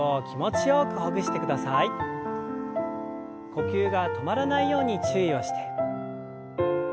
呼吸が止まらないように注意をして。